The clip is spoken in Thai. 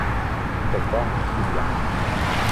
ปกป้อง ยืนหยัด